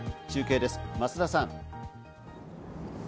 中継です、増田さん。